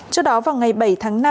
trước đó vào ngày bảy tháng năm